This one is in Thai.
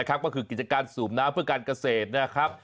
ก็คือกิจการสูบน้ำเพื่อการเกษตรนะครับ